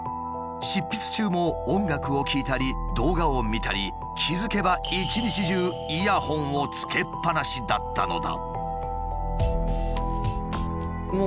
執筆中も音楽を聴いたり動画を見たり気付けば１日中イヤホンをつけっぱなしだったのだ。